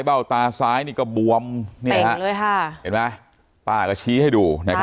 เบ้าตาซ้ายนี่ก็บวมแป่งเลยค่ะเห็นไหมป้าก็ชี้ให้ดูนะครับ